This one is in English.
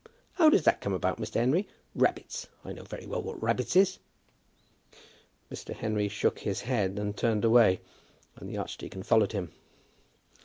How does that come about, Mr. Henry? Rabbits! I know very well what rabbits is!" Mr. Henry shook his head, and turned away, and the archdeacon followed him.